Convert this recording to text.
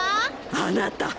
・あなた。